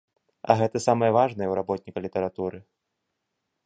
А гэта самае важнае ў работніка літаратуры.